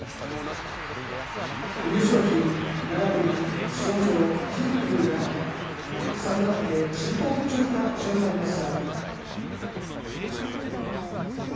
優勝旗ならびに賞状、金一封が佐渡ヶ嶽審判部長から授与されました。